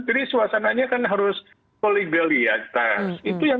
jadi suasananya kan harus kolegialitas itu yang